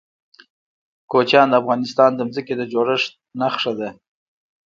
کوچیان د افغانستان د ځمکې د جوړښت نښه ده.